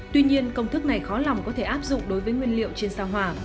tuy nhiên công thức này khó lòng có thể áp dụng đối với nguyên liệu trên sao hòa